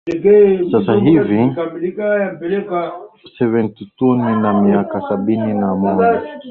sasa hivi am seventy two nina miaka sabini na miwili